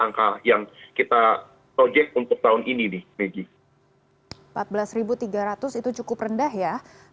baik kalau di dolar kita prediksi diskursus kualitas bisa nanti dia akan melemah sampai ke empat belas tiga ratus